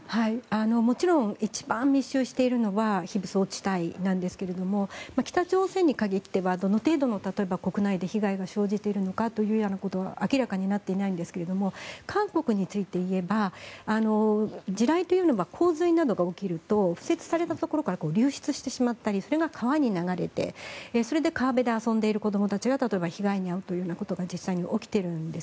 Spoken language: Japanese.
もちろん一番密集しているのは非武装地帯なんですが北朝鮮に限ってはどの程度の例えば国内で被害が生じているのかということは明らかになっていないんですが韓国について言えば地雷というのは洪水などが起きると敷設されたところから流出してしまったりそれが川に流れてそれで川辺で遊んでいる子どもたちが例えば被害に遭うというようなことが実際に起きているんです。